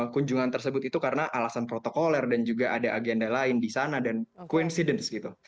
kunjungan tersebut itu karena alasan protokoler dan juga ada agenda lain di sana dan quencidence gitu